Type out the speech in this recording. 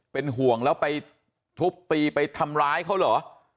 เป็นห่วงแล้วไปทุบตีไปทำร้ายเขาเหรอ